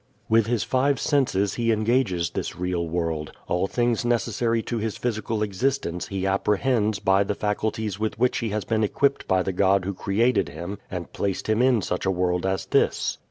With his five senses he engages this real world. All things necessary to his physical existence he apprehends by the faculties with which he has been equipped by the God who created him and placed him in such a world as this.